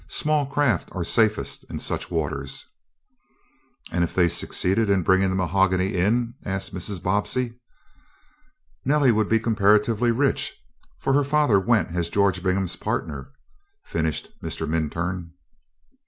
"Small craft are safest in such waters." "And if they succeeded in bringing the mahogany in?" asked Mrs. Bobbsey. "Nellie would be comparatively rich, for her father went as George Bingham's partner," finished Mr. Minturn.